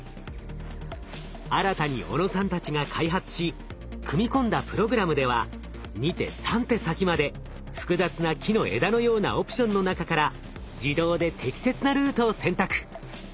新たに小野さんたちが開発し組み込んだプログラムでは２手３手先まで複雑な木の枝のようなオプションの中から自動で適切なルートを選択。